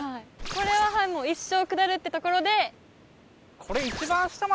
これはもう一生下るってところで。